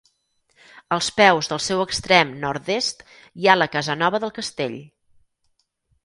Als peus del seu extrem nord-est hi ha la Casanova del Castell.